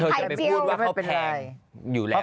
จะไปพูดว่าเขาแพงอยู่แล้ว